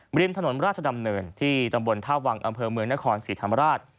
ริมถนนราชดำเนินที่ตำบลท่าวังอำเภอเมืองนครศรีธรรมราช